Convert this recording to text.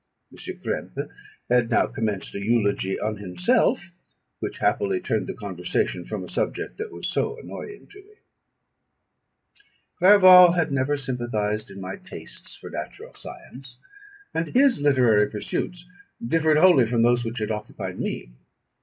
M. Krempe had now commenced an eulogy on himself, which happily turned the conversation from a subject that was so annoying to me. Clerval had never sympathised in my tastes for natural science; and his literary pursuits differed wholly from those which had occupied me.